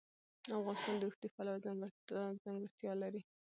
افغانستان د اوښ د پلوه ځانته ځانګړتیا لري.